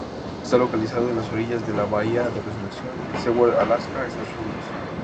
Está localizado a las orillas de la Bahía Resurrección, en Seward, Alaska, Estados Unidos.